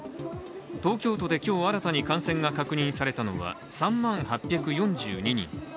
東京都で今日新たに感染が確認されたのは３万８４２人。